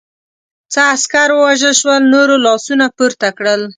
څه عسکر ووژل شول، نورو لاسونه پورته کړل.